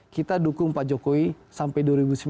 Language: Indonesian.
kita dukung pak jokowi sampai dua ribu sembilan belas